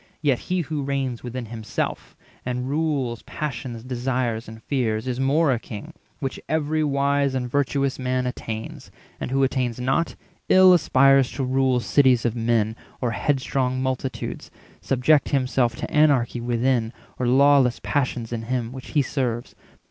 Yet he who reigns within himself, and rules Passions, desires, and fears, is more a king— Which every wise and virtuous man attains; And who attains not, ill aspires to rule Cities of men, or headstrong multitudes, 470 Subject himself to anarchy within, Or lawless passions in him, which he serves.